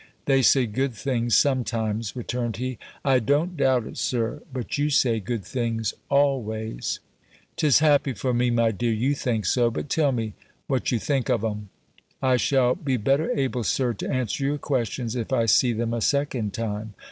"They say good things sometimes," returned he. "I don't doubt it, Sir; but you say good things always." "'Tis happy for me, my dear, you think so. But tell me, what you think of 'em?" "I shall be better able, Sir, to answer your questions, if I see them a second time."